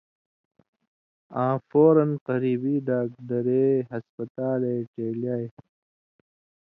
آں فورًا قریبی ڈاگدرے/ ہسپتالے ڇېلیائ۔